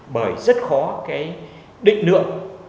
bởi rất khó định lượng